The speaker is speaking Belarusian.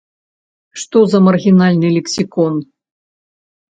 Што за маргінальны лексікон!